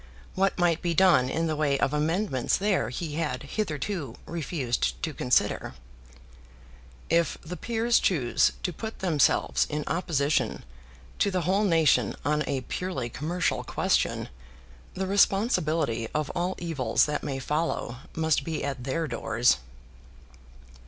What might be done in the way of amendments there he had hitherto refused to consider. "If the peers choose to put themselves in opposition to the whole nation on a purely commercial question, the responsibility of all evils that may follow must be at their doors."